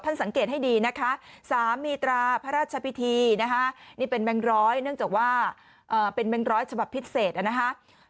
สังเกตให้ดีนะคะ๓มีตราพระราชพิธีนะคะนี่เป็นแบงค์ร้อยเนื่องจากว่าเป็นแบงค์ร้อยฉบับพิเศษนะคะ